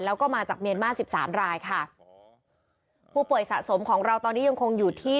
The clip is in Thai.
แล้วก็มาจากเมียนมาสิบสามรายค่ะผู้ป่วยสะสมของเราตอนนี้ยังคงอยู่ที่